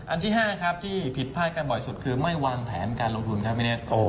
ที่๕นะครับที่ผิดพลาดกันบ่อยสุดคือไม่วางแผนการลงทุนครับพี่เน็ต